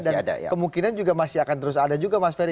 dan kemungkinan juga masih akan terus ada juga mas ferry